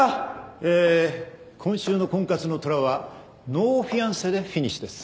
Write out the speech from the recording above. えー今週の『婚活の虎』はノーフィアンセでフィニッシュです。